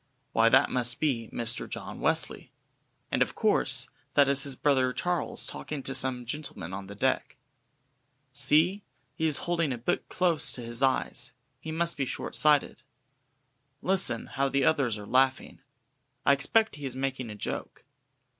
Why that must be Mr. John Wesley! And, of course, that is his brother Charles talking to some gentlemen on the deck. See, he is holding a book close to his eyes he must be short sighted. Listen, how the others are laughing! I expect he is making a joke.